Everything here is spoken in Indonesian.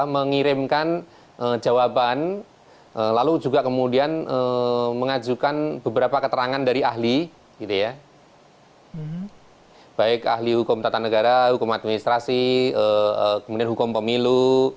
menjawabkan lalu juga kemudian mengajukan beberapa keterangan dari ahli baik ahli hukum tata negara hukum administrasi kemudian hukum pemilu